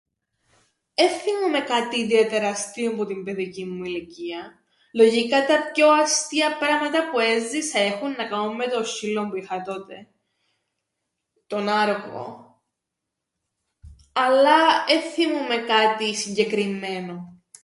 Εν θθυμούμαι κάτι ιδιαίτερα αστείον που την παιδικήν μου ηλικίαν, λογικά τα πιο αστεία πράματα που έζησα έχουν να κάμουν με τον σ̆σ̆ύλλον που είχα τότε, τον Άργον, αλλά εν θθυμούμαι κάτι συγκεκριμμένον.